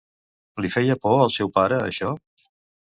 Li feia por al seu pare això?